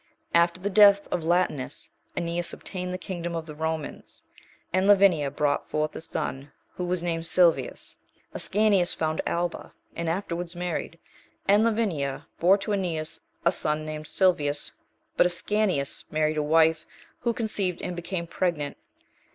After the death of Latinus, Aeneas obtained the kingdom Of the Romans, and Lavinia brought forth a son, who was named Silvius. Ascanius founded Alba, and afterwards married. And Lavinia bore to Aeneas a son, named Silvius; but Ascanius (1) married a wife, who conceived and became pregnant.